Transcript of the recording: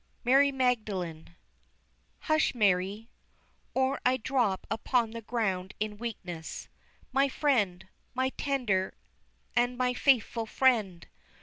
MARY MAGDALENE. Hush, Mary, Or I drop upon the ground in weakness. My friend! my tender, and my faithful friend!